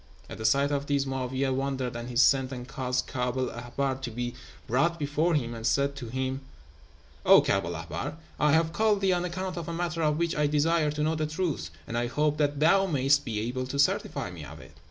"At the sight of these Mo'áwiyeh wondered, and he sent and caused Kaab el Ahbár to be brought before him, and said to him, 'O Kaab el Ahbár, I have called thee on account of a matter of which I desire to know the truth, and I hope that thou mayest be able to certify me of it.'